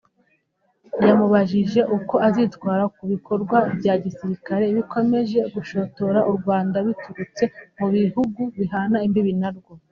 yamubajije uko azitwara ku bikorwa bya gisirikare bikomeje gushotora u Rwanda biturutse mu bihugu bihana imbibi narwo